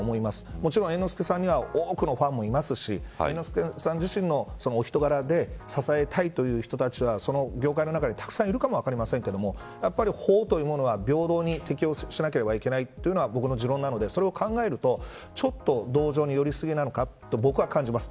もちろん猿之助さんには多くのファンもいますし猿之助さん自身のお人柄で支えたいという人たちは業界の中にたくさんいるかもしれませんがやはり法というものは平等に適用しなければいけないのが僕の持論なのでそれを考えると、ちょっと同情に寄り過ぎなのかなと僕は感じます。